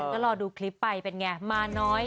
ก็รอดูคลิปไปเป็นไงมาน้อย